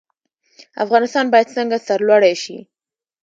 افغانستان باید څنګه سرلوړی شي؟